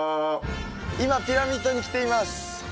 今ピラミッドに来ています